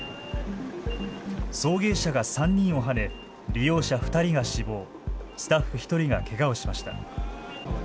送迎車が３人をはね利用者２人が死亡、スタッフ１人がけがをしました。